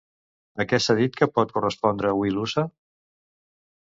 A què s'ha dit que pot correspondre Wilusa?